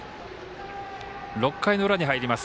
６回の裏に入ります。